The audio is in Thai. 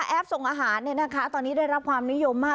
ส่งอาหารตอนนี้ได้รับความนิยมมาก